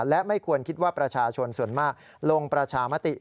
และไม่ควรคิดว่าประชาชนส่วนมากลงประชามติ